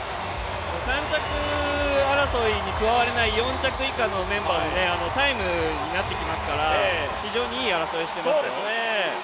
３着争いに加われない４着以下のメンバーもタイムになってきますから、非常にいい争いをしていますよ。